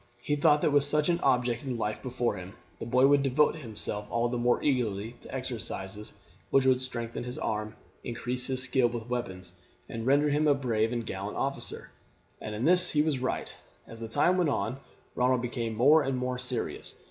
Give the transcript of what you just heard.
He thought that with such an object in life before him the boy would devote himself all the more eagerly to exercises which would strengthen his arm, increase his skill with weapons, and render him a brave and gallant officer, and in this he was right. As the time went on Ronald became more and more serious.